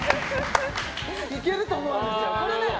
いけると思うんですよね。